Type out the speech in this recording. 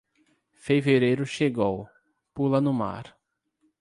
Fevereiro chegou, pula no mar.